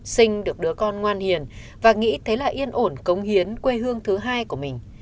sinh được đứa con ngoan hiền và nghĩ thấy là yên ổn cống hiến quê hương thứ hai của mình